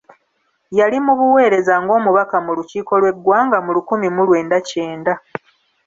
Yali mu buweereza ng'omubaka mu lukiiko lw'eggwanga mu lukimi mu lwenda kyenda.